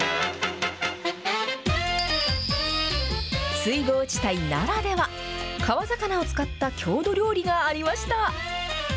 水郷地帯ならでは、川魚を使った郷土料理がありました。